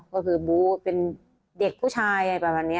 ก็คือมูเป็นเด็กผู้ชายอะไรแบบนี้